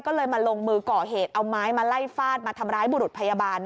ก็เลยมาลงมือก่อเหตุเอาไม้มาไล่ฟาดมาทำร้ายบุรุษพยาบาล